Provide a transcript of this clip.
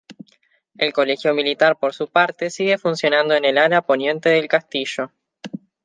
El colegio militar por su parte sigue funcionando en el ala poniente del Castillo.